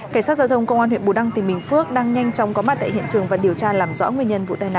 cảnh sát giao thông công an huyện bù đăng tỉnh bình phước đang nhanh chóng có mặt tại hiện trường và điều tra làm rõ nguyên nhân vụ tai nạn